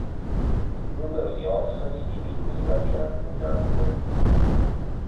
Il numero di orfani diminuiva di anno in anno.